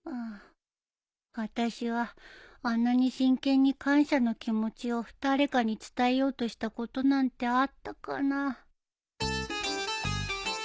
あたしはあんなに真剣に感謝の気持ちを誰かに伝えようとしたことなんてあったかな